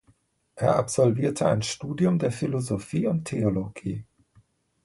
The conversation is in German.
Er absolvierte ein Studium der Philosophie und Theologie.